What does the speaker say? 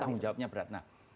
tanggung jawabnya berat